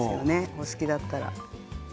お好きだったら。